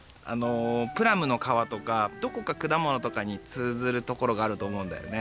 プラムのかわとかどこかくだものとかにつうずるところがあるとおもうんだよね。